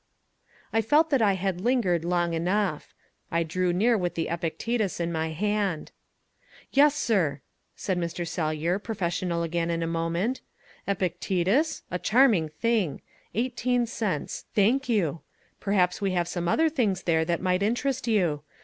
I felt that I had lingered long enough. I drew near with the Epictetus in my hand. "Yes, sir," said Mr. Sellyer, professional again in a moment. "Epictetus? A charming thing. Eighteen cents. Thank you. Perhaps we have some other things there that might interest you.